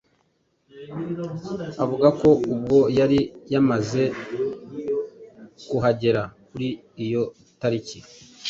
Avuga ko ubwo yari yamaze kuhagera kuri iyo tariki